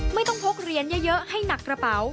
ไม่ต้องพกเหรียญเยอะให้หนักกระเป๋า